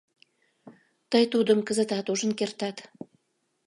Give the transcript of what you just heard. Тый Тудым кызытат ужын кертат.